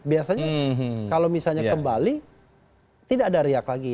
biasanya kalau misalnya kembali tidak ada riak lagi